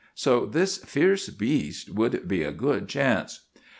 So this fierce beast would be a good chance."